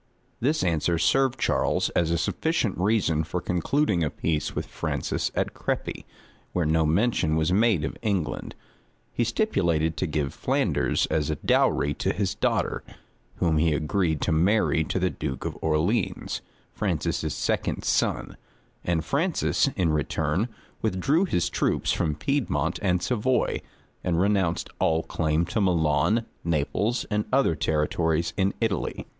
This answer served Charles as a sufficient reason for concluding a peace with Francis at Crepy, where no mention was made of England. He stipulated to give Flanders as a dowry to his daughter, whom he agreed to marry to the duke of Orleans, Francis's second son; and Francis, in return, withdrew his troops from Piedmont and Savoy, and renounced all claim to Milan, Naples, and other territories in Italy.